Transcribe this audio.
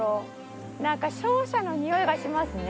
なんか勝者のにおいがしますね。